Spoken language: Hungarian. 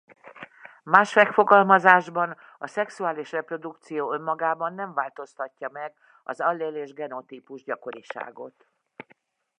Más megfogalmazásban a szexuális reprodukció önmagában nem változtatja meg az allél- és genotípus-gyakoriságot.